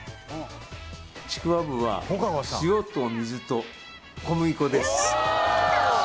ちくわぶは塩と水と小麦粉です。